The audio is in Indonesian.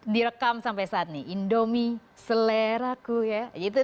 direkam sampai saat ini indomie seleraku ya